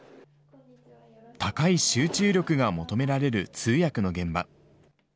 高い集中力が求められる通訳の現場。